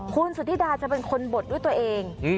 คุณสุธิดาจะเป็นคนบดด้วยตัวเอง